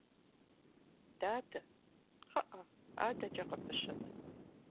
Дадэ, кхъыӀэ, адэкӀэ къыпыщэт.